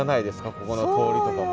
ここの通りとかも。